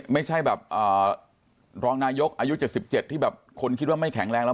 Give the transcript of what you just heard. ไม่ใช่แบบรองนายกอายุ๗๗ที่แบบคนคิดว่าไม่แข็งแรงแล้ว